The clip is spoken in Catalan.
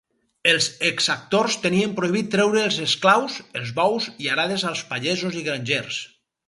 Els exactors tenien prohibit treure els esclaus, els bous i arades als pagesos i grangers.